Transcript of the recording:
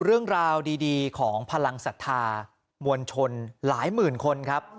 เรื่องราวดีของพลังศรัทธามวลชนหลายหมื่นคนครับ